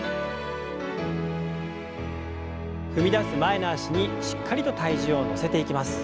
踏み出す前の脚にしっかりと体重を乗せていきます。